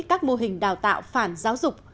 các mô hình đào tạo phản giáo dục